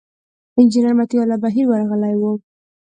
انجینر مطیع الله بهیر ورغلي و.